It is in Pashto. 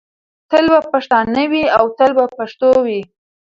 تل به پښتانه وي او تل به پښتو وي.